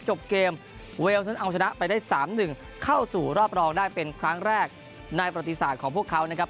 จบเกมเวลนั้นเอาชนะไปได้๓๑เข้าสู่รอบรองได้เป็นครั้งแรกในประติศาสตร์ของพวกเขานะครับ